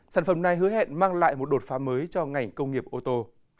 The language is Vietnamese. sản phẩm này hứa hẹn mang lại một đột phá mới cho ngành công nghiệp ô tô